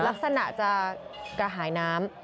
ลักษณะจะกระหายน้ำ